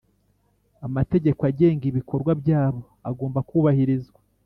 amategeko agenga ibikorwa byabo agomba kubahirizwa